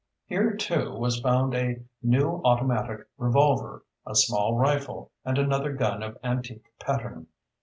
Here, too, was found a new automatic revolver, a small rifle and another gun of antique pattern.